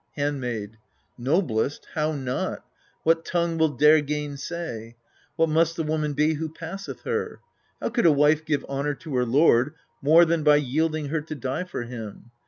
Handmaid. Noblest ? how not ? what tongue will dare gainsay ? What must the woman be who passeth her? How could a wife give honour to her lord More than by yielding her to die for him?